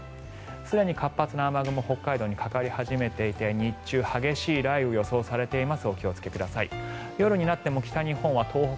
すでに活発な雨雲が北海道にかかり始めていて日中、激しい雷雨が予想されています。